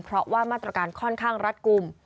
เพราะว่ามาตรการค่อนข้างรัดกลุ่ม